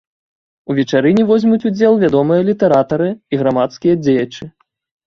У вечарыне возьмуць удзел вядомыя літаратары і грамадскія дзеячы.